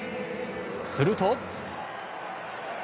すると。